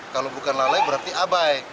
kalau bukan lalai berarti abai